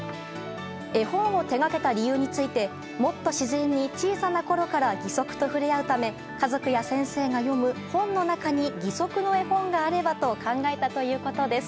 絵本を手掛けた理由についてもっと自然に小さなころから義足と触れ合うため家族や先生が読む本の中に義足の絵本があればと考えたということです。